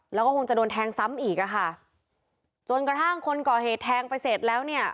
แล้วก็คงจะโดนแทงซ้ำอีกอ่ะค่ะจนกระทั่งคนก่อเหตุแทงไปเสร็จแล้วเนี่ย